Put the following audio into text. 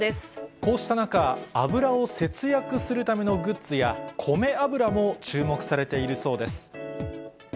こうした中、油を節約するためのグッズや、米油も注目されているそうです。